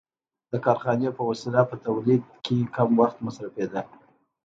د کارخانې په وسیله په تولید کم وخت مصرفېده